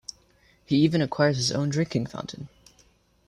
He even acquires his own drinking fountain.